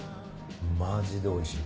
マジでおいしい。